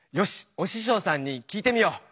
おししょうさんに聞いてみよう！